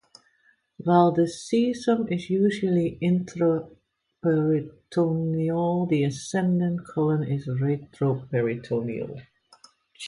While the cecum is usually intraperitoneal, the ascending colon is retroperitoneal.